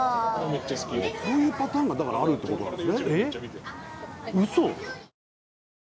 こういうパターンがだからあるって事なんですね。